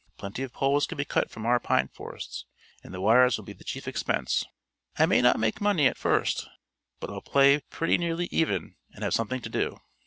Plenty of poles can be cut from our pine forests and the wires will be the chief expense. I may not make money, at first, but I'll play pretty nearly even and have something to do."